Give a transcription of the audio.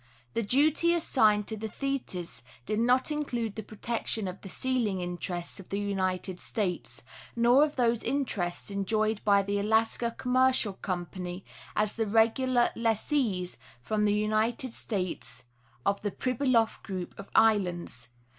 The duty assigned to the Thetis did not include the protection of the seal ing interests of the United States, nor of those interests enjoyed by the Alaska Commercial Company as the regular lessees from the United States of the Pribyloff group of islands.